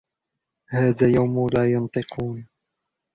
هَذَا يَوْمُ لَا يَنْطِقُونَ